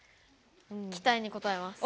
期待に応えます。